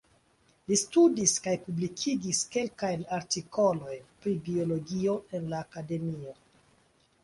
Li studis kaj publikigis kelkajn artikolojn pri biologio en la Akademio.